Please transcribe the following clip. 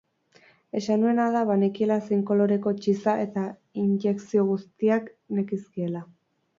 Esan nuena da banekiela zein koloreko txiza eta injekzio guztiak nekizkiela.